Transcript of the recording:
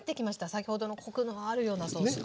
先ほどのコクのあるようなソースが。